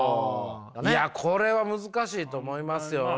いやこれは難しいと思いますよ。